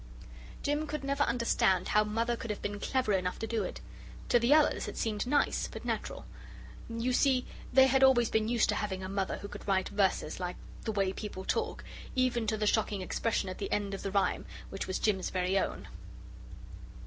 Jim could never understand how Mother could have been clever enough to do it. To the others it seemed nice, but natural. You see they had always been used to having a mother who could write verses just like the way people talk, even to the shocking expression at the end of the rhyme, which was Jim's very own.